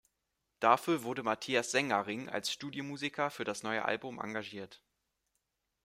Dafür wurde Mathias Seng-Aring als Studiomusiker für das neue Album engagiert.